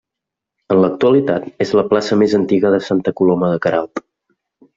En l'actualitat és la plaça més antiga de Santa Coloma de Queralt.